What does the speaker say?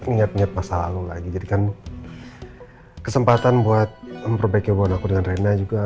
ingat ingat masa lalu lagi jadi kan kesempatan buat memperbaiki hubungan aku dengan renda juga